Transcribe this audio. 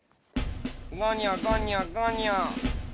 ごにょごにょごにょ。